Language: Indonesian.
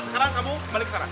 sekarang kamu balik ke sana